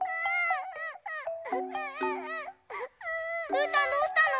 うーたんどうしたの？